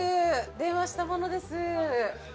電話した者です